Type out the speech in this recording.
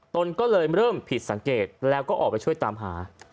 ตนก็เลยเริ่มผิดสังเกตแล้วก็ออกไปช่วยตามหา